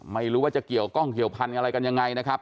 ไม่รู้ว่าจะเกี่ยวข้องเกี่ยวพันธุ์อะไรกันยังไงนะครับ